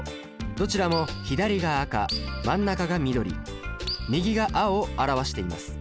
どちらも左が赤真ん中が緑右が青を表しています。